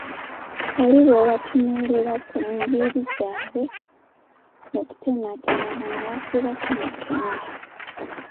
Bali bwobatunuulira ku mubiri gyabwe mukutemagana bakirako mukene!